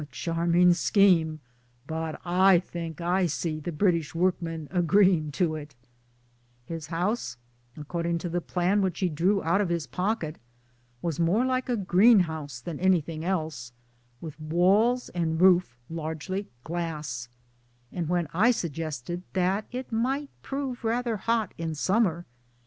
charming scheme I but I think I see the British workman agreeing to it 1) His house, according to the plan which he drew out of his pocket, was more like a greenhouse than anything else with walls and roof largely glass ; and when I suggested that it ' might prove rather hot in summer